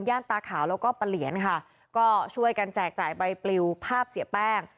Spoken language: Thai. ตาขาวแล้วก็ปะเหลียนค่ะก็ช่วยกันแจกจ่ายใบปลิวภาพเสียแป้ง